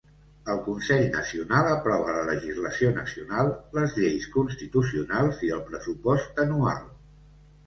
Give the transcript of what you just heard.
El Consell Nacional aprova la legislació nacional, les lleis constitucionals i el pressupost anual.